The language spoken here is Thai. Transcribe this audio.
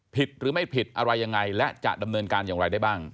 ผิดหรือไม่ผิดอะไรยังไงและจะดำเนินการอย่างไรได้บ้าง